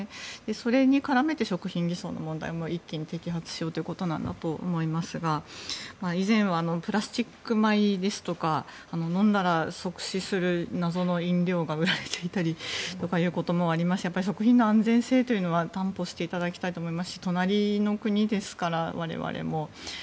それに絡めて食品偽装の問題も一気に摘発しようということなんだと思うんですが以前はプラスチック米ですとか飲んだら即死する謎の飲料が売られていたりということもあって食品の安全性というのは担保していただきたいと思いますし隣の国ですから、我々も。